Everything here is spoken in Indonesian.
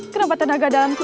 kenapa tenaga dalamku